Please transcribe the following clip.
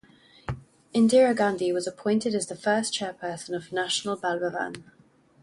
Indira Gandhi was appointed as the first chairperson of National Bal Bhavan.